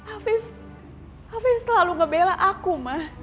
afif afif selalu ngebela aku ma